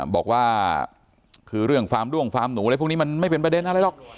บอกว่าคือเรื่องฟาร์มด้วงฟาร์มหนูอะไรพวกนี้มันไม่เป็นประเด็นอะไรหรอก